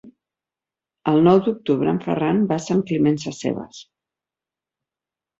El nou d'octubre en Ferran va a Sant Climent Sescebes.